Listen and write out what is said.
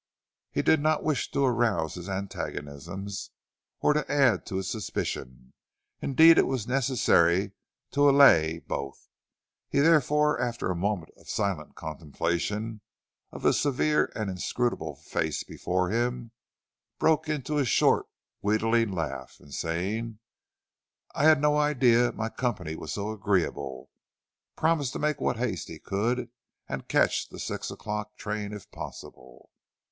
He did not wish to arouse his antagonism or to add to his suspicion; indeed it was necessary to allay both. He therefore, after a moment of silent contemplation of the severe and inscrutable face before him, broke into a short wheedling laugh, and saying, "I had no idea my company was so agreeable," promised to make what haste he could and catch the six o'clock train if possible.